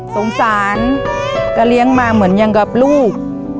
สงสารก็เลี้ยงมาเหมือนอย่างกับลูก